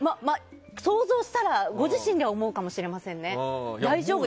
想像したら、ご自身では思うかもしれませんね。